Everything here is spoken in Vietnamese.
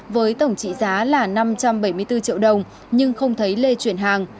với tổng trị giá là năm trăm bảy mươi bốn triệu đồng nhưng không thấy lê chuyển hàng